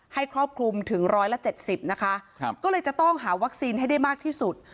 ครอบคลุมถึงร้อยละเจ็ดสิบนะคะก็เลยจะต้องหาวัคซีนให้ได้มากที่สุด